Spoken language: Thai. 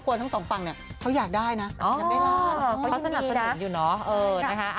กดสั่งง่ายได้ไหมคุณผู้ชม